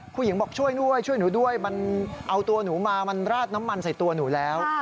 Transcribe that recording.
ผู้หญิงบอกช่วยด้วยช่วยหนูด้วยมันเอาตัวหนูมามันราดน้ำมันใส่ตัวหนูแล้ว